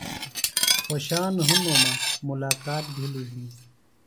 خوۡشان ہِنوۡ مہ ملاقات بھِلیۡ ہِنیۡ۔